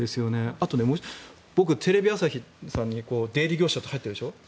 あと、もう１つ僕、テレビ朝日さんに出入り業者として入ってるでしょ。